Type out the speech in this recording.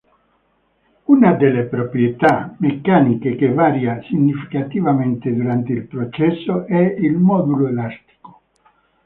Una delle proprietà meccaniche che varia significativamente durante il processo è il modulo elastico.